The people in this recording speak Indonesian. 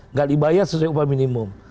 nggak dibayar sesuai upah minimum